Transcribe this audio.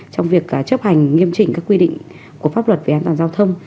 trong việc chấp hành nghiêm chỉnh các quy định của pháp luật về an toàn giao thông